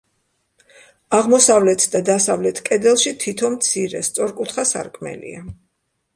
აღმოსავლეთ და დასავლეთ კედელში თითო მცირე, სწორკუთხა სარკმელია.